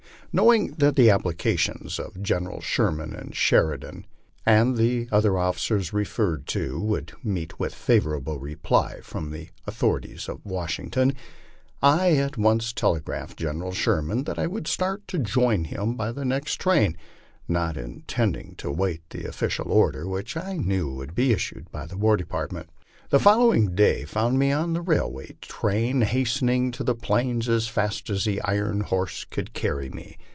Knowing that the application of Generals Sherman and Sheridan and the other officers referred to would meet with a favorable reply from the author ities at Washington, I at once telegraphed to General Sheridan that I would start to join him by the next train, not intending to wait the official order which I knew would be issued by the War Department. The following day found me on^i ruMway train hastening to the plains as fast as the iron horse could carry me.